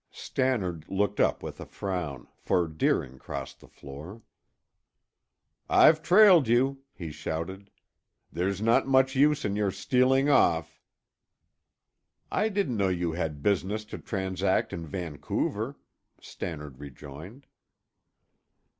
Stannard looked up with a frown, for Deering crossed the floor. "I've trailed you!" he shouted. "There's not much use in your stealing off." "I didn't know you had business to transact in Vancouver," Stannard rejoined.